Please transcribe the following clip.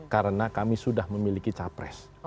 karena kami sudah memiliki capres